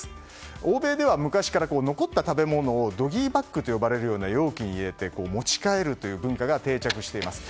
欧米では昔から、残った食べ物をドギーバッグと呼ばれるような容器に入れて持ち帰るという文化が定着しています。